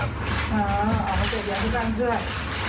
อ๋อเอาไปเสพย้าที่บ้านเพื่อน